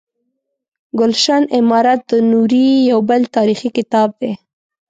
ګلشن امارت د نوري یو بل تاریخي کتاب دی.